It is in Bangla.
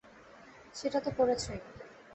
সেটা তো করেছই।